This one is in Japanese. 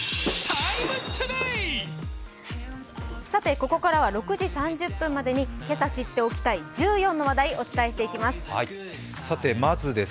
ここからは６時３０分までに今朝、知っておきたい１４の話題をお伝えしていきます。